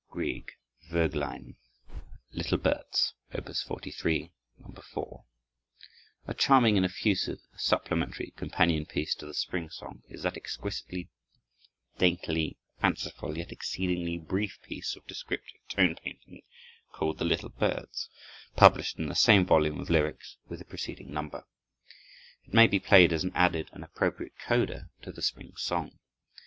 Grieg: Vöglein (Little Birds), Op. 43, No. 4 A charming and effective supplementary companion piece to the spring song is that exquisitely, daintily fanciful, yet exceedingly brief piece of descriptive tone painting, called "The Little Birds," published in the same volume of lyrics with the preceding number. It may be played as an added and appropriate coda to the spring song.